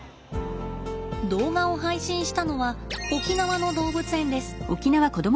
動画を配信したのは沖縄の動物園です。